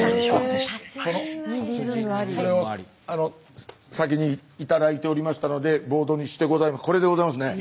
それを先に頂いておりましたのでボードにしてございます。